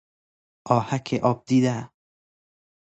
آهک آب دیده